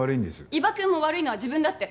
伊庭くんも「悪いのは自分だ」って。